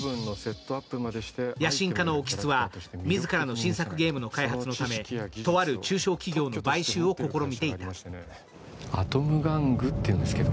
野心家の興津は自らの新作ゲームの開発のため、とある中小企業の買収を試みていた。